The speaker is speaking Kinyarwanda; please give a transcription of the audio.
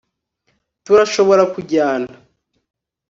Turashobora kujyana